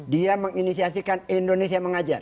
dia menginisasikan indonesia mengajar